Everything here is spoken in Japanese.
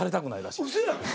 うそやん！